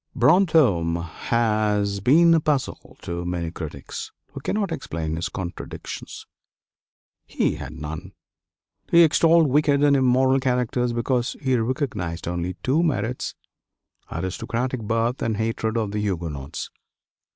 Brantôme has been a puzzle to many critics, who cannot explain his "contradictions." He had none. He extolled wicked and immoral characters because he recognized only two merits, aristocratic birth and hatred of the Huguenots.